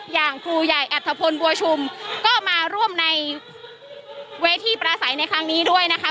อย่างครูใหญ่อัธพลบัวชุมก็มาร่วมในเวทีประสัยในครั้งนี้ด้วยนะคะ